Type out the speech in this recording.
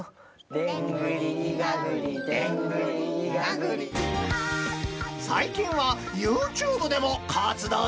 「でんぐりいがぐりでんぐりいがぐり」［最近はＹｏｕＴｕｂｅでも活動していますぞ］